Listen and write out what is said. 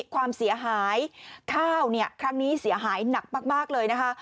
ความเสียหายข้าวครั้งนี้เสียหายหนักมากเลยนะคะ